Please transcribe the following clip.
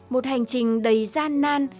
một hành trình đầy gian nan